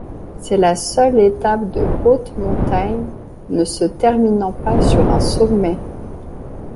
C'est la seule étape de haute-montagne ne se terminant pas sur un sommet.